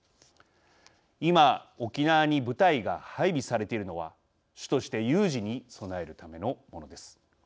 今、沖縄に部隊が配備されているのは主として有事に備えるためのものです。